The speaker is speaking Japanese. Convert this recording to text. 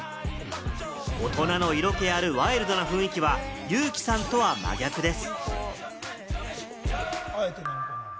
大人の色気があるワイルドの雰囲気はユウキさんとは真逆です。